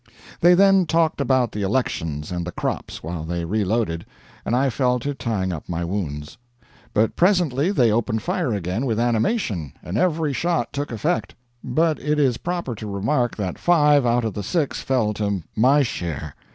They then talked about the elections and the crops while they reloaded, and I fell to tying up my wounds. But presently they opened fire again with animation, and every shot took effect but it is proper to remark that five out of the six fell to my share.